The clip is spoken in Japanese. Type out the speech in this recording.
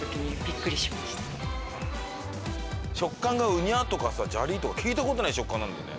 食感がうにゃっとかさジャリッとか聞いた事ない食感なんだよね。